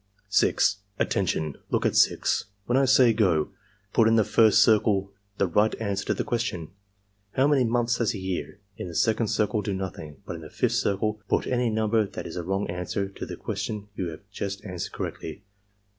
.6. "Attention! Look at 6. When I say 'go' put in the first circle the right answer to the question: 'How many months has a year?' In the second circle do nothing, but in the fifth circle put ajiy number that is a wrong answer to the question that you just answered correctly.